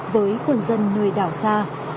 với quân dân nơi đảo xa